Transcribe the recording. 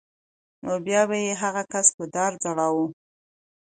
نو بیا به یې هغه کس په دار ځړاوه